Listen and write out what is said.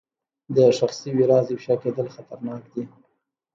د ښخ شوي راز افشا کېدل خطرناک دي.